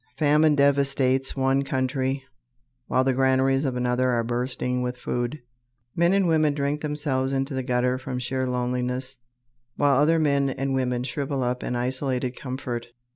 Famine devastates one country, while the granaries of another are bursting with food. Men and women drink themselves into the gutter from sheer loneliness, while other men and women shrivel up in isolated comfort.